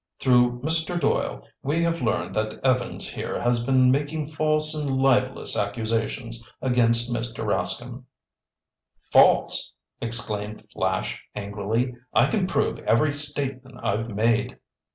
"Through Mr. Doyle we have learned that Evans here has been making false and libelous accusations against Mr. Rascomb." "False!" exclaimed Flash angrily. "I can prove every statement I've made!"